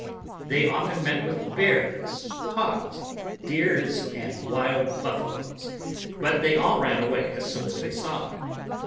They often met with bears, hogs, deer, and wild buffaloes; but they all ran away as soon as they saw them.